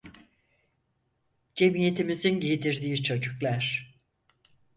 Cemiyetimizin giydirdiği çocuklar!